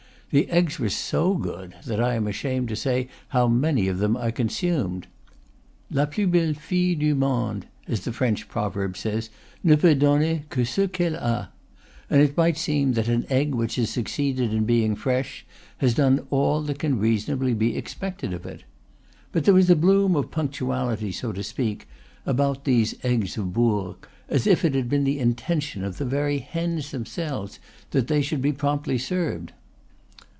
The eggs were so good that I am ashamed to say how many of them I consumed. "La plus belle fille du monde," as the French proverb says, "ne peut donner que ce qu'elle a;" and it might seem that an egg which has succeeded in being fresh has done all that can reasonably be expected of it. But there was a bloom of punctuality, so to speak, about these eggs of Bourg, as if it had been the in tention of the very hens themselves that they should be promptly served.